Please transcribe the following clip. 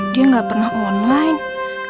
dia gak pernah online